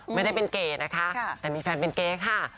ไม่ได้เป็นเก๋นะคะแต่มีแฟนเป็นเก๋ค่ะ